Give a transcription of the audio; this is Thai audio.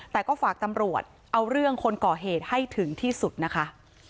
แต่ก็ฝากตำรวจเอาเรื่องคนก่อเหตุให้ถึงที่สุดนะคะ